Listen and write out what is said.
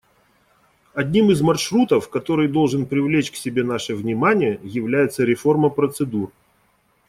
Одним из "маршрутов", который должен привлечь к себе наше внимание, является реформа процедур.